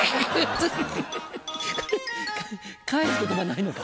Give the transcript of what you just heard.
返す言葉ないのか。